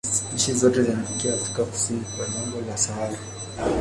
Spishi zote zinatokea Afrika kusini kwa jangwa la Sahara.